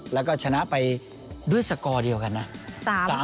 แล้วก็ชนะไปด้วยสกอร์เดียวกันนะ